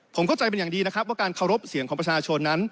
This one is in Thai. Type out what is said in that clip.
ผมเข้าใจเป็นอย่างดีนะครับว่าการเคารพเสียงของประชาชนนั้น